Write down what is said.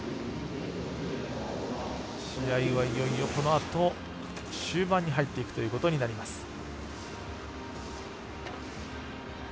試合は、いよいよこのあと終盤に入っていくということになります。